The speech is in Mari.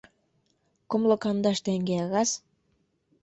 — Кумло кандаш теҥге, раз!